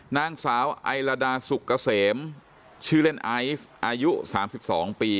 นางสาวไอลาดาสุกเกษมชื่อเล่นไอซ์อายุ๓๒ปี